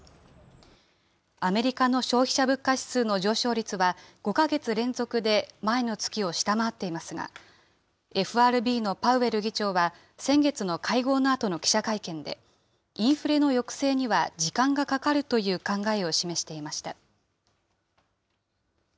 アメリカの消費者物価指数の上昇率は、５か月連続で前の月を下回っていますが、ＦＲＢのパウエル議長は先月の会合のあとの記者会見で、インフレの抑制には、時間がかかるという考えを示していました。